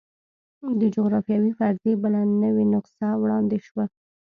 د جغرافیوي فرضیې بله نوې نسخه وړاندې شوه.